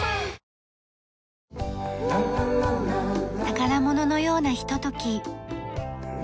宝物のようなひととき。